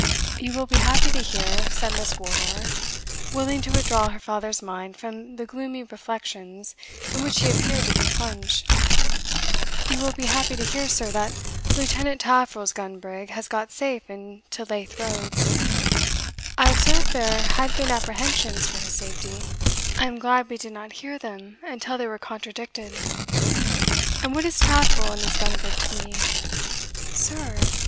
"You will be happy to hear," said Miss Wardour, willing to withdraw her father's mind from the gloomy reflections in which he appeared to be plunged, "you will be happy to hear, sir, that Lieutenant Taffril's gun brig has got safe into Leith Roads I observe there had been apprehensions for his safety I am glad we did not hear them till they were contradicted." "And what is Taffril and his gun brig to me?" "Sir!"